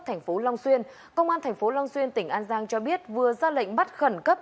thành phố long xuyên công an thành phố long xuyên tỉnh an giang cho biết vừa ra lệnh bắt khẩn cấp